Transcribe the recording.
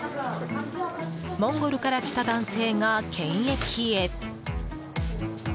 モンゴルから来た男性が検疫へ。